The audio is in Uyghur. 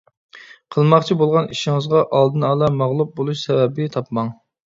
قىلماقچى بولغان ئىشىڭىزغا ئالدىنئالا مەغلۇپ بولۇش سەۋەبى تاپماڭ.